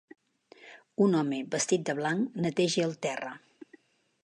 Un home vestit de blanc neteja el terra.